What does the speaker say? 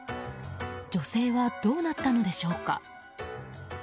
女性は、どうなったのでしょうか。